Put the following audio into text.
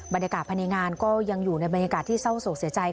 บรรยากาศภายในงานก็ยังอยู่ในบรรยากาศที่เศร้าโศกเสียใจ